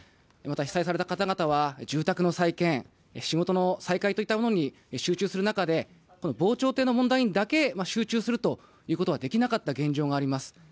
また、被災された方々は住宅の再建仕事の再開に集中する中で、防潮堤の問題にだけ集中するということはできなかった現状があります。